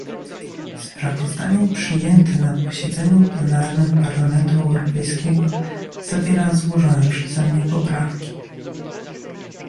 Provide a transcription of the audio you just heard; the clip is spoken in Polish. Sprawozdanie przyjęte na posiedzeniu plenarnym Parlamentu Europejskiego zawiera złożone przeze mnie poprawki